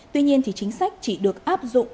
tuy nhiên thì chính sách chỉ được áp dụng